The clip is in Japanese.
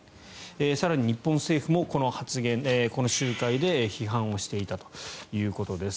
更に日本政府もこの集会で批判していたということです。